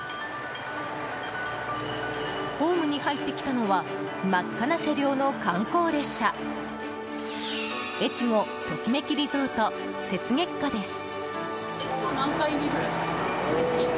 ホームに入ってきたのは真っ赤な車両の観光列車「えちごトキめきリゾート雪月花」です。